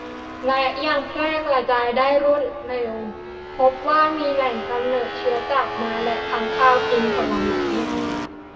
และยังแพร่กระจายได้รวดเร็ว พบว่ามีแหล่งกำเนิดเชื้อจากม้าและค้างคาวกินผลไม้